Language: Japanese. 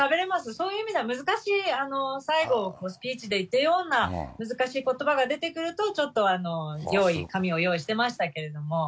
そういう意味では難しい、最後、スピーチで言ってるような難しいことばが出てくると、ちょっと用意、紙を用意してましたけれども。